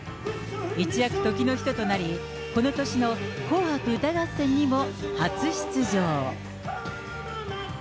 一躍時の人となり、この年の紅白歌合戦にも初出場。